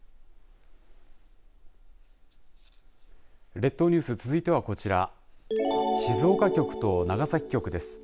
列島ニュース続いてはこちら静岡局と長崎局です。